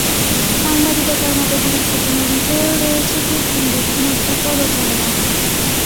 সাংবাদিকতার মত গুরুত্বপূর্ণ বিষয়েও রয়েছে কৃত্রিম বুদ্ধিমত্তার পদচারনা।